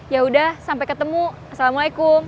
yaudah sampai ketemu assalamualaikum